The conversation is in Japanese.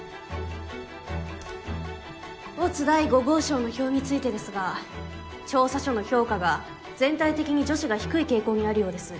乙第５号証の表についてですが調査書の評価が全体的に女子が低い傾向にあるようです。